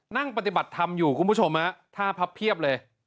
นั่งปฏิบัติธรรมอยู่คุณผู้ชมฮะท่าพับเพียบเลย